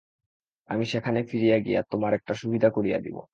আমি সেখানে ফিরিয়া গিয়া তোমার একটা সুবিধা করিয়া দিব।